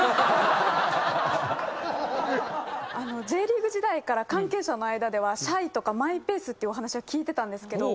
Ｊリーグ時代から関係者の間ではシャイとかマイペースっていうお話は聞いてたんですけど。